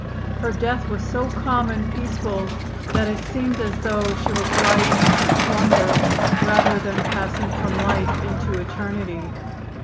Her death was so calm and peaceful that it seemed as though she were gliding into slumber rather than passing from life into eternity.